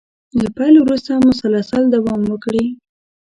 له پيل وروسته مسلسل دوام وکړي.